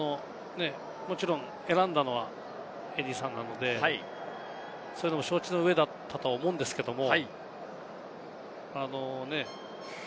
もちろん選んだのはエディーさんなので、そういうのも承知の上だったと思うんですけれども。